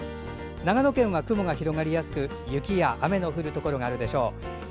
長野県は雲が広がりやすく雪や雨のところがあるでしょう。